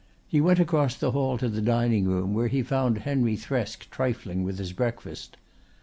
He went across the hall to the dining room, where he found Henry Thresk trifling with his breakfast.